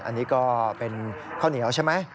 อันนี้ก็เป็นข้าวเหนียวใช่ไหม